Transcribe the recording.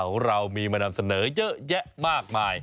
ของเรามีมานำเสนอเยอะแยะมากมาย